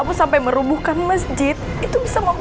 mas jangan rumuhin masjid ini mas